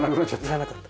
いらなかった。